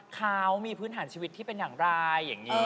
เขามีพื้นฐานชีวิตที่เป็นอย่างไรอย่างนี้